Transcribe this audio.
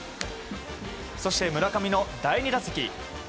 そして村上の第２打席。